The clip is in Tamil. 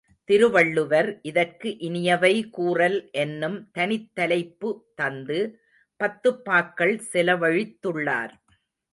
திருவள்ளுவர் இதற்கு இனியவை கூறல் என்னும் தனித் தலைப்பு தந்து பத்துப் பாக்கள் செலவழித்துள்ளார்.